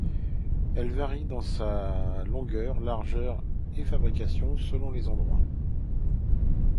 Elle varie dans sa longueur, largeur et fabrication, selon les endroits.